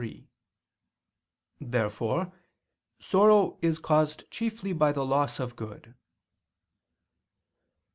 Therefore sorrow is caused chiefly by the loss of good.